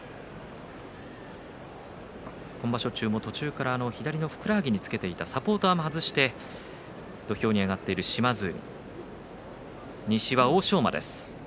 今場所中も途中から左のふくらはぎにつけていたサポーターも外して土俵に上がっている島津海。